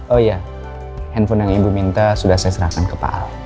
oh iya handphone yang ibu minta sudah saya serahkan ke pak al